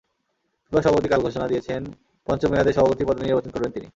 FIFA সভাপতি কাল ঘোষণা দিয়েছেন, পঞ্চম মেয়াদে সভাপতি পদে নির্বাচন করবেন তিনি।